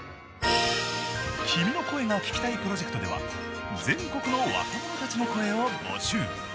「君の声が聴きたい」プロジェクトでは全国の若者たちの声を募集。